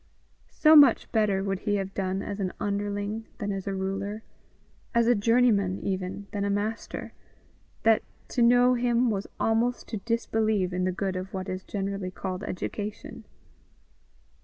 So much better would he have done as an underling than as a ruler as a journeyman even, than a master, that to know him was almost to disbelieve in the good of what is generally called education.